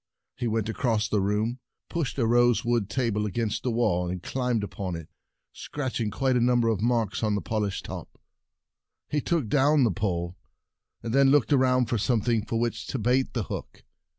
He went across the room, pushed a rosewood table against the wall, and climbed up on it, scratching A Fishing and the Dragons quite a number of marks on the Bait polished top. Wanted He took down the pole, and then looked around for some thing with which to bait the hook.